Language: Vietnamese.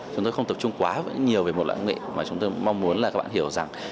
chúng tôi không tập trung quá nhiều về một loại công nghệ mà chúng tôi mong muốn là các bạn hiểu rằng